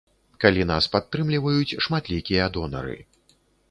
Калі нас падтрымліваюць шматлікія донары.